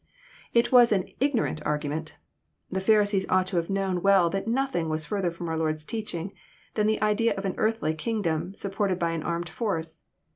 It was an ignorant argument. The Pharisees ought to have known well that nothing was fhrther Arom our Lord's teaching than the idea of an earthly kingdom, supported by an armed force.